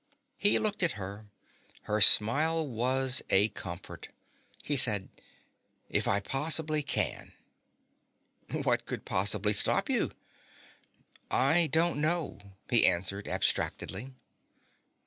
He looked at her. Her smile was a comfort. He said, "If I possibly can." "What could possibly stop you?" "I don't know," he answered abstractedly.